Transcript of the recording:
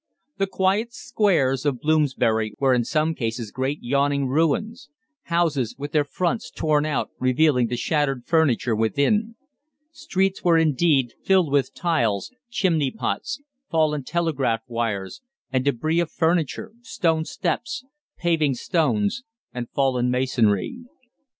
The quiet squares of Bloomsbury were in some cases great yawning ruins houses with their fronts torn out revealing the shattered furniture within. Streets were indeed, filled with tiles, chimney pots, fallen telegraph wires, and débris of furniture, stone steps, paving stones, and fallen masonry.